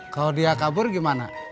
kalau dia kabur gimana